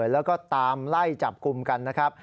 แล้วก็ตามไล่จับกลุ่มกันนะครับ